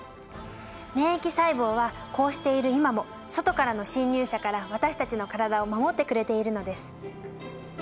免疫細胞はこうしている今も外からの侵入者から私たちの体を守ってくれているのです。